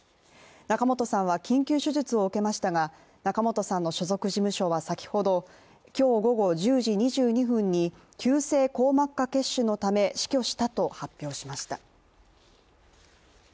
仲本さんは緊急手術を受けましたが仲本さんの所属事務所は先ほど、今日午後１０時２２分に急性硬膜下血腫のため、死去したと発表しました。